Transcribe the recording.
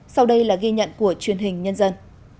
sau đây là ghi nhận của truyền hình nhân dân